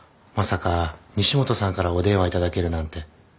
まさか西本さんからお電話頂けるなんて。